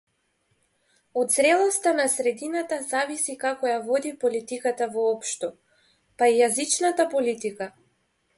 Од зрелоста на средината зависи како ја води политиката воопшто, па и јазичната политика.